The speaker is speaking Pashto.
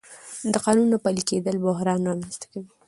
د قانون نه پلي کېدل بحران رامنځته کوي